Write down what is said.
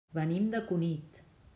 Venim de Cunit.